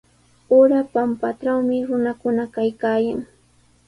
Ura pampatrawmi runakuna kaykaayan.